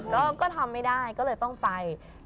ก็ทำไม่ได้ก็เลยต้องไป